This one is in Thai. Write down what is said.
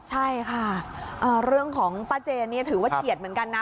ใช่ค่ะเรื่องของป้าเจนนี่ถือว่าเฉียดเหมือนกันนะ